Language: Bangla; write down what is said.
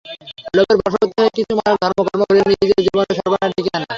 লোভের বশবর্তী হয়ে কিছু মানুষ ধর্ম-কর্ম ভুলে নিজের জীবনের সর্বনাশ ডেকে আনে।